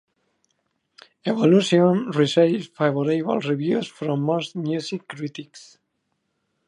"Evolution" received favorable reviews from most music critics.